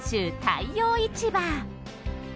太陽市場。